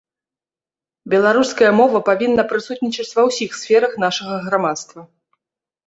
Беларуская мова павінна прысутнічаць ва ўсіх сферах нашага грамадства.